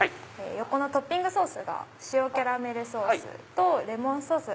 横のトッピングソースが塩キャラメルソースとレモンソース